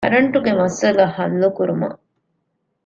ކަރަންޓުގެ މައްސަލަ ޙައްލުކުރުމަށް